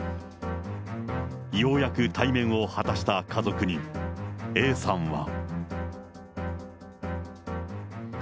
ようやく対面を果たした家族に、Ａさんは。